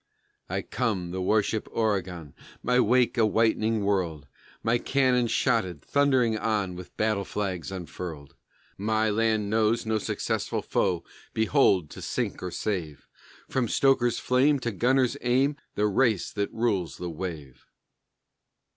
_I come, the warship Oregon, My wake a whitening world, My cannon shotted, thundering on With battle flags unfurled. My land knows no successful foe Behold, to sink or save, From stoker's flame to gunner's aim The race that rules the wave!